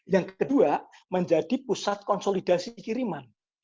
yang kedua menjadi pusat konsolidasi kiriman